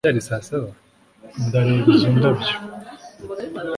ndareba izo ndabyo